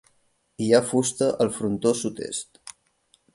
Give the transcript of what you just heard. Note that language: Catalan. Hi ha fusta al frontó sud-est.